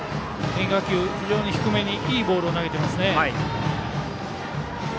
変化球も非常に低めにいいボールを投げています。